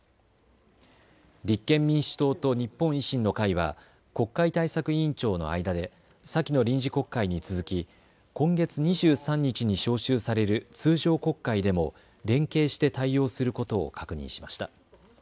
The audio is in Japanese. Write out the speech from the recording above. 立憲民主党と日本維新の会は国会対策委員長の間で先の臨時国会に続き今月２３日に召集される通常国会でも連携して対応することを確認しました。